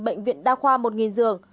bệnh viện đa khoa một nghìn giường